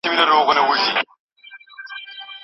لندن څه ډول له لرې څخه د افغانستان وضعیت څاري؟